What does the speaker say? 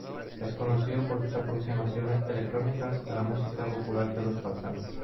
Es conocido por sus aproximaciones electrónicas a la música popular de los Balcanes.